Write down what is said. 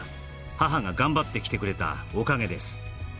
「母ががんばってきてくれたおかげです」